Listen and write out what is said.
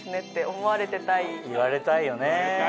言われたいよね。